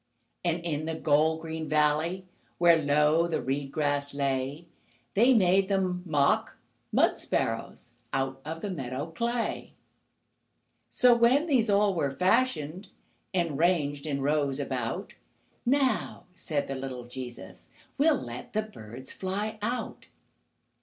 And in the gold green valley, Where low the reed grass lay, They made them mock mud sparrows Out of the meadow clay. So, when these all were fashioned, And ranged in rows about, "Now," said the little Jesus, "We'll let the birds fly out."